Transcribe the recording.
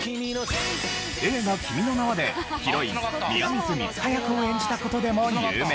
映画『君の名は。』でヒロイン宮水三葉役を演じた事でも有名。